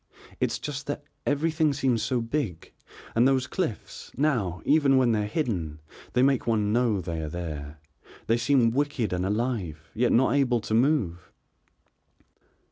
"It's just that everything seems so big and those cliffs, now, even when they are hidden, they make one know they are there, they seem wicked and alive, yet not able to move."